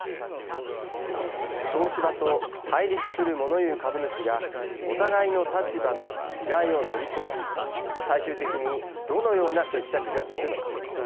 東芝と対立する、もの言う株主がお互いの立場の違いを乗り越え最終的にどのような決着が、つくのか。